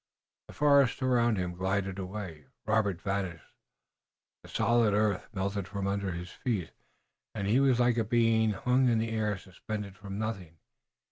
The forest around him glided away, Robert vanished, the solid earth melted from under his feet, and he was like a being who hung in the air suspended from nothing.